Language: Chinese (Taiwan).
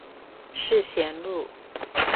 世賢路